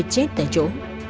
chết tại chỗ